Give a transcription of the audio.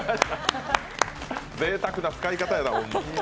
ぜいたくな使い方やな。